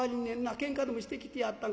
けんかでもしてきてやったんか？